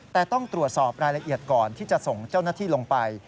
แต่ต้องตรวจสอบรายละเอียดก่อนที่จะส่งเจ้าหน้าที่ลงไป